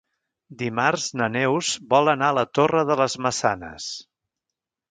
Dimarts na Neus vol anar a la Torre de les Maçanes.